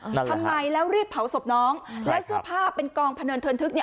ทำไมแล้วรีบเผาศพน้องแล้วเสื้อผ้าเป็นกองพะเนินเทินทึกเนี่ย